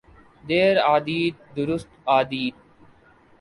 دیر آید درست آید۔